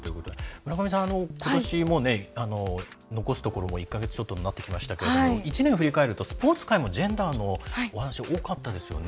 村上さん、ことし、もう残すところ１か月ちょっとになってきましたけど１年を振り返るとスポーツ界もジェンダーのお話多かったですよね。